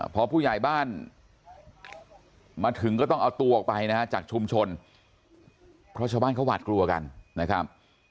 พอผู้ใหญ่บ้านมาถึงก็ต้องเอาตัวออกไปนะฮะจากชุมชนเพราะชาวบ้านเขาหวาดกลัวกันนะครับ